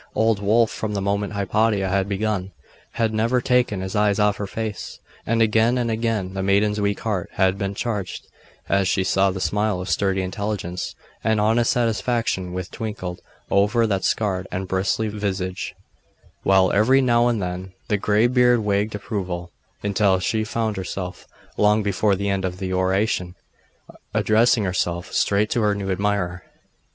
Old Wulf, from the moment Hypatia had begun, had never taken his eyes off her face; and again and again the maiden's weak heart had been cheered, as she saw the smile of sturdy intelligence and honest satisfaction which twinkled over that scarred and bristly visage; while every now and then the graybeard wagged approval, until she found herself, long before the end of the oration, addressing herself straight to her new admirer.